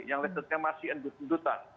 yang masih endus endutan